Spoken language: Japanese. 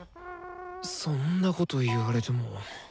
そんなこと言われても。